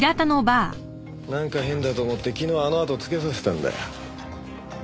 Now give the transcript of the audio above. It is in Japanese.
なんか変だと思って昨日あのあとつけさせたんだよ。